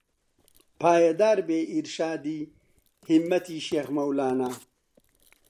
پایەدار بێ ئیڕشادی هیممەتی شێخ مەولانە